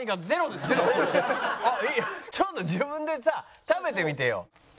ちょっと自分でさ食べてみてよ。